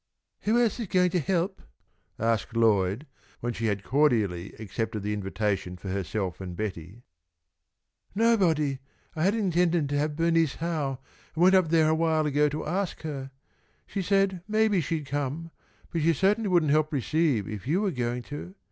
"Who else is going to help?" asked Lloyd, when she had cordially accepted the invitation for herself and Betty. "Nobody. I had intended to have Bernice Howe, and went up there awhile ago to ask her. She said maybe she'd come, but she certainly wouldn't help receive if you were going to.